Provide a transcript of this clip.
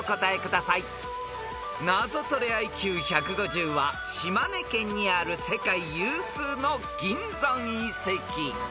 ［ナゾトレＩＱ１５０は島根県にある世界有数の銀山遺跡］